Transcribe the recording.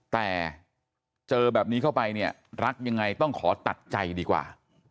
แต่เจอแบบนี้เข้าไปเนี่ยรักยังไงต้องขอตัดใจดีกว่า